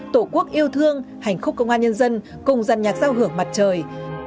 tổ quốc yêu thương hành khúc công an nhân dân cùng giàn nhạc giao hưởng mặt trời